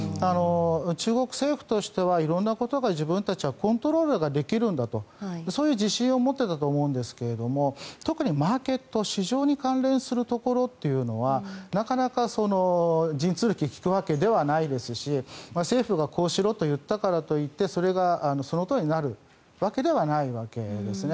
中国政府としては色んなことが自分たちはコントロールができるんだとそういう自信を持っていたと思うんですが特にマーケット、市場に関連するところというのは神通力が利くわけじゃないし政府がこうしろといったからと言ってその通りになるわけじゃないんですね。